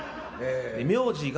名字が。